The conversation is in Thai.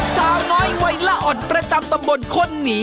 สาวน้อยหวัยและอ่อนประจำตระบลคนนี้